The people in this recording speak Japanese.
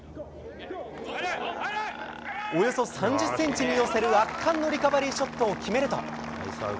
およそ３０センチに寄せる圧巻のリカバリーショットを決めると。